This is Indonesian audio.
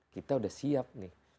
kita sudah siap nih